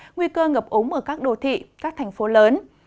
nguy cơ ngập ống ở các đô thị các thành phố lớn